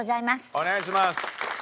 お願いします。